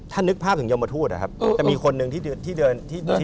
ถ้านึกภาพถึงยอมทูตครับมีคนหนึ่งที่เดิน